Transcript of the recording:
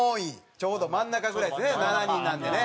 ちょうど真ん中ぐらいですね７人なんでね。